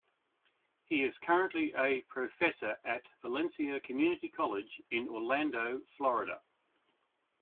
He is currently a Professor at Valencia Community College in Orlando, Fl.